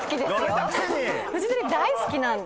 フジテレビ大好きなんで。